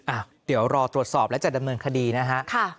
อ่ะเดี๋ยวรอตรวจสอบและจะดำเนินคดีนะฮะ